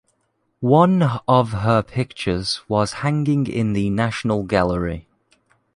One of her pictures was hanging in the National Gallery.